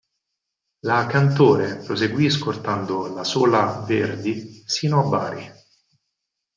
La "Cantore" proseguì scortando la sola "Verdi" sino a Bari.